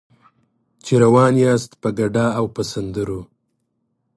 چې روان یاست په ګډا او په سندرو.